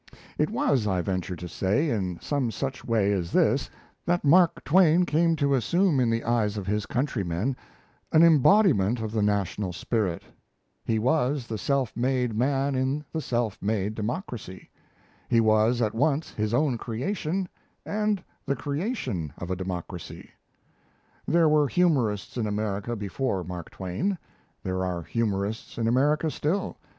It was, I venture to say, in some such way as this that Mark Twain came to assume in the eyes of his countrymen an embodiment of the national spirit. He was the self made man in the self made democracy. He was at once his own creation and the creation of a democracy. There were humorists in America before Mark Twain; there are humorists in America still.